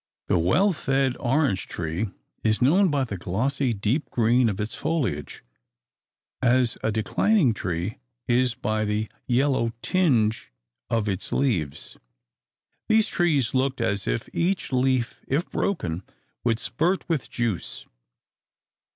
The well fed orange tree is known by the glossy, deep green of its foliage, as a declining tree is by the yellow tinge of its leaves. These trees looked as if each leaf, if broken, would spurt with juice.